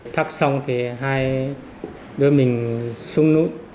thắt xong thì hai đứa mình xuống núi